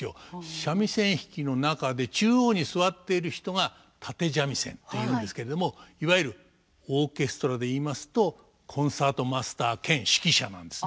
三味線弾きの中で中央に座っている人が立三味線というんですけれどもいわゆるオーケストラで言いますとコンサートマスター兼指揮者なんですね。